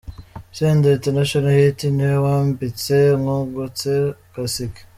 Senderi International Hit niwe wambitse Ngungutse kasike.